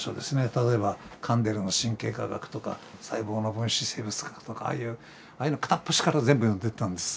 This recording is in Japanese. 例えばカンデルの神経科学とか細胞の分子生物学とかああいうのを片っ端から全部読んでったんです。